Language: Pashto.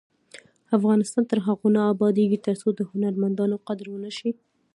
افغانستان تر هغو نه ابادیږي، ترڅو د هنرمندانو قدر ونشي.